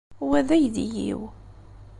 Wa d aydi-iw.